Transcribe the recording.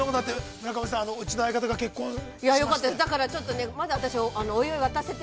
村上さん、うちの相方が結婚しまして。